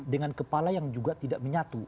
dengan kepala yang juga tidak menyatu